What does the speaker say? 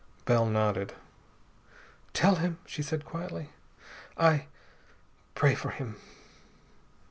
Bell nodded. "Tell him," she said quietly, "I pray for him."